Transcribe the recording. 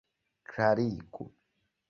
klarigu